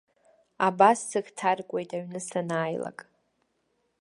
Абас сыхҭаркуеит аҩны санааилак.